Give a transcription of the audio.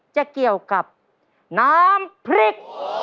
จะเกี่ยวกับน้ำพริก